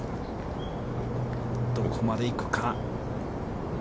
どこまで行くか。